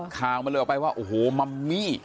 คาวมาเลยออกไปว่าโหมัมมี่